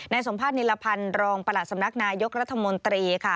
สมภาษณิรพันธ์รองประหลัดสำนักนายกรัฐมนตรีค่ะ